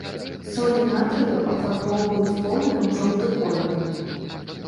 Солі натрыю афарбоўваюць полымя ў жоўты колер.